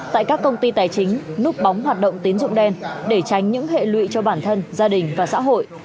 tại các công ty tài chính núp bóng hoạt động tín dụng đen để tránh những hệ lụy cho bản thân gia đình và xã hội